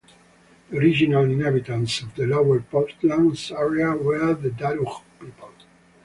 The original inhabitants of the Lower Portland area were the Darug people.